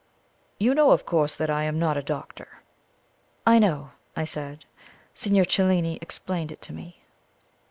"You know, of course, that I am not a doctor?" "I know," I said; "Signer Cellini explained to me."